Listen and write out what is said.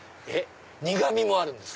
苦味もあるんですか？